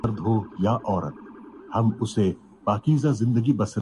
اور پانی نہ تھا۔